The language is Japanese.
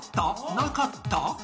なかった？